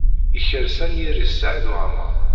Yekres anyir-is Saɛid Waɛmaṛ.